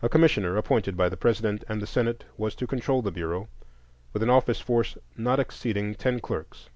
A Commissioner, appointed by the President and Senate, was to control the Bureau, with an office force not exceeding ten clerks.